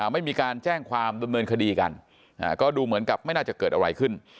ไม่มีการแจ้งความดำเนินคดีกันก็ดูเหมือนกับไม่น่าจะเกิดอะไรขึ้น